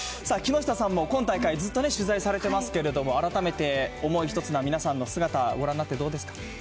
木下さんも今大会、ずっと取材をされていますけれども、改めて想いひとつな皆さんの姿、ごらんになってどうですか。